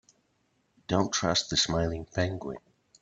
Don't trust the smiling penguin.